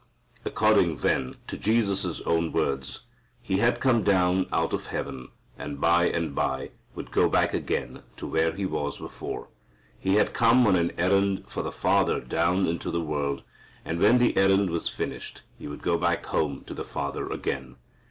According, then, to Jesus' own words, He had come down out of heaven, and, by and by, would go back again to where He was before. He had come on an errand for the Father down into the world, and when the errand was finished He would go back home to the Father again.